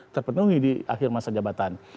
terpenuhi di akhir masa jabatan